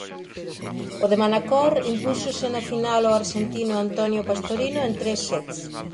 O de Manacor impúxose na final ao arxentino Antonio Pastorino en tres sets.